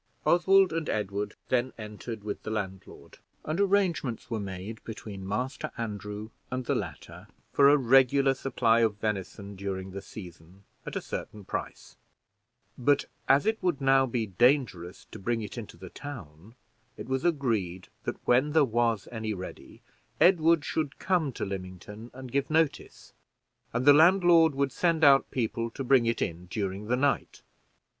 Oswald and Edward then entered with the landlord, and arrangements were made between Master Andrew and the latter for a regular supply of venison during the season, at a certain price; but as it would now be dangerous to bring it into the town, it was agreed that when there was any ready, Edward should come to Lymington and give notice, and the landlord would send out people to bring it in during the night.